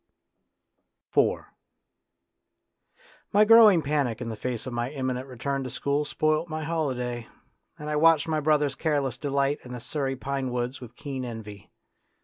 IV My growing panic in the face of my im minent return to school spoilt my holiday, and I watched my brother's careless delight in the Surrey pine woods with keen envy.